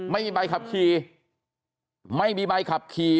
ไม่มีใบขับขี่ไม่มีใบขับขี่